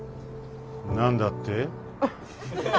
何だって？